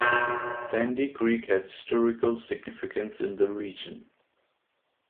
Sandy Creek has historical significance in the region.